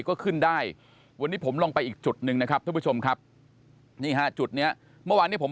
ก็ขึ้นได้วันนี้ผมลองไปอีกจุดหนึ่งนะครับท่านผู้ชมครับนี่ฮะจุดเนี้ยเมื่อวานนี้ผม